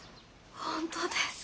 本当ですか。